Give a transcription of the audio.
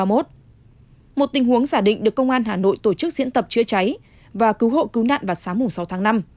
một tình huống giả định được công an hà nội tổ chức diễn tập chữa cháy và cứu hộ cứu nạn vào sáng sáu tháng năm